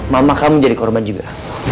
mama kamu jadi korban juga